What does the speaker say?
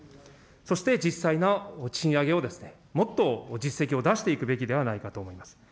そして、実際の賃上げをもっと実績を出していくべきではないかと思います。